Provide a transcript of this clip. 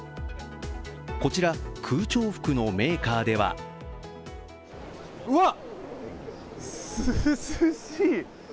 こちら空調服のメーカーではうわ、涼しい！